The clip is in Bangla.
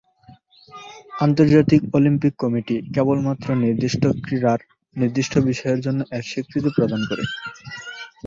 আন্তর্জাতিক অলিম্পিক কমিটি কেবলমাত্র নির্দিষ্ট ক্রীড়ার নির্দিষ্ট বিষয়ের জন্য এর স্বীকৃতি প্রদান করে।